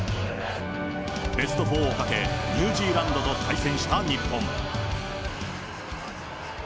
ベスト４をかけ、ニュージーランドと対戦した日本。